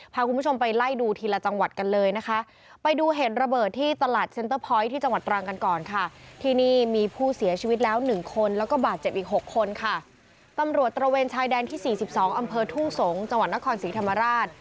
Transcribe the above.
ปำรวจตระเวณชายแดนที่๔๒อะเมอร์ทู่สงส์จังหวัดนครสีธรรมราช